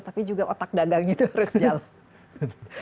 tapi juga otak dagangnya itu harus jalan